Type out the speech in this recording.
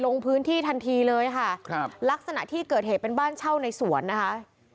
ลงพื้นที่ทันทีเลยค่ะครับลักษณะที่เกิดเหตุเป็นบ้านเช่าในสวนนะคะ